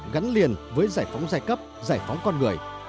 gắn liền với giải phóng giai cấp giải phóng con người